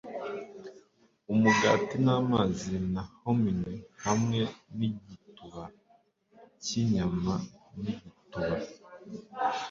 Umugati namazi na hominy hamwe nigituba cyinyama nigituba